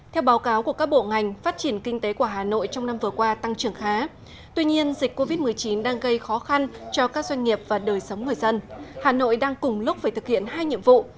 theo báo cáo của các bộ ngành phát triển kinh tế của hà nội trong năm vừa qua tăng trưởng khá tuy nhiên dịch covid một mươi chín đang gây khó khăn cho các doanh nghiệp và đời sống người dân hà nội đang cùng lúc phải thực hiện hai nhiệm vụ